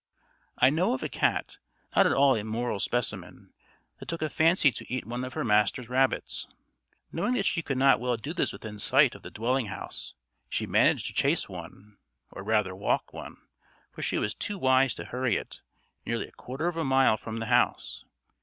I know of a cat not at all a moral specimen that took a fancy to eat one of her master's rabbits. Knowing that she could not well do this within sight of the dwelling house, she managed to chase one, or rather walk one, for she was too wise to hurry it, nearly a quarter of a mile from the house.